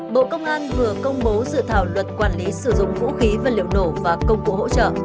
bộ công an vừa công bố dự thảo luật quản lý sử dụng vũ khí và liệu nổ và công cụ hỗ trợ